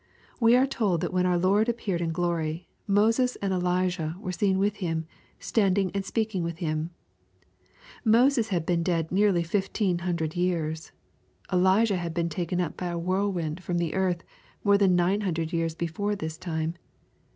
We are told that when our Lord appeared in glory, Moses and Elijah were seen with Him, standing and speaking with Him. Moses had been dead nearly fifteen hundred years. Elijah had been taken up by a whirlwind from the earth more than nine hundred years before this time.